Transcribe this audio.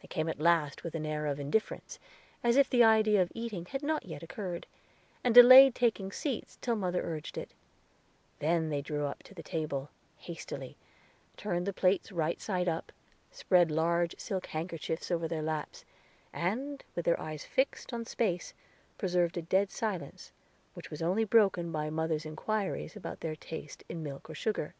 They came at last with an air of indifference, as if the idea of eating had not yet occurred, and delayed taking seats till mother urged it; then they drew up to the table, hastily, turned the plates right side up, spread large silk handkerchiefs over their laps, and, with their eyes fixed on space, preserved a dead silence, which was only broken by mother's inquiries about their taste in milk or sugar.